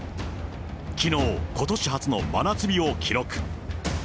きのう、ことし初の真夏日を記録。